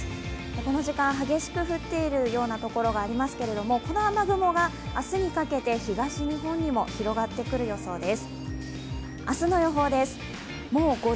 この時間激しく降っているようなところがありますけどもこの雨雲が明日にかけて東日本にも広がってくる予想です。